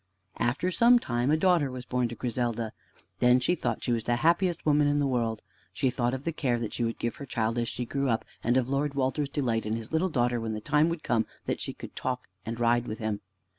After some time a daughter was born to Griselda. Then she thought she was the happiest woman in the world. She thought of the care that she would give her child as she grew up, and of Lord Walter's delight in his little daughter when the time should come that she could talk and ride with him.